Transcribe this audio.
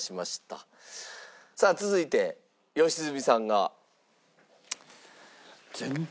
さあ続いて良純さんが。